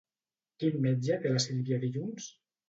Quin metge té la Sílvia dilluns?